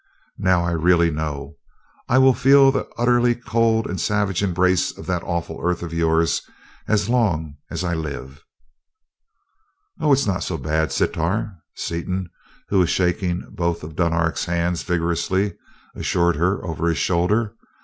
Now I really know I will feel the utterly cold and savage embrace of that awful earth of yours as long as I live!" "Oh, it's not so bad, Sitar." Seaton, who was shaking both of Dunark's hands vigorously, assured her over his shoulder.